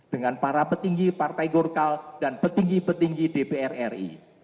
dengan para petinggi partai gorkal dan petinggi petinggi dpr ri